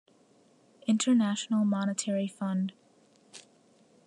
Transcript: International Monetary Fund.